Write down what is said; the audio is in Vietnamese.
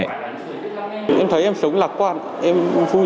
em thấy em sống lạc quan em vui